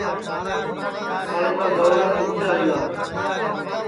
اُساٹؔے کا گئوڑا اِٻکے آئیرا ہے